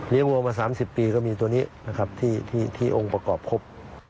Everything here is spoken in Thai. เลี้ยงวัวมา๓๐ปีก็มีตัวนี้ที่องค์ประกอบครบ